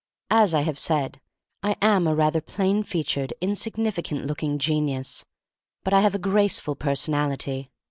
As I have said, I am a rather plain featured, insignificant looking genius, but I have a graceful personality.